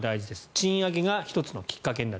賃上げが１つのきっかけになる。